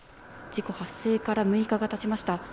事故発生から６日がたちました。